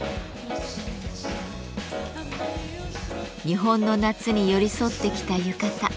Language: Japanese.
日本の夏に寄り添ってきた浴衣。